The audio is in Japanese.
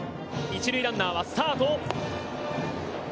一塁ランナーはスタート。